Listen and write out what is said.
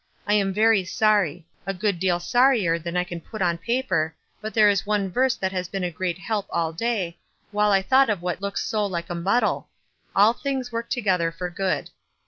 I am very sorry, — a good deal sorrier than I can put on paper, but there is one verse that has been a great help all day, while I thought of what looks so like a muddle :' All things work together for good.'